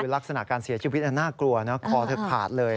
ลักษณะการเสียชีวิตน่ากลัวนะคอเธอขาดเลย